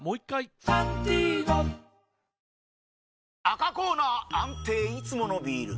ＪＴ赤コーナー安定いつものビール！